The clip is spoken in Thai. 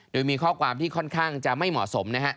โดยมีข้อความที่ค่อนข้างจะไม่เหมาะสมนะฮะ